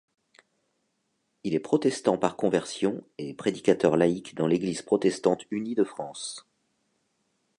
Il est protestant par conversion et prédicateur laïc dans l'Église protestante unie de France.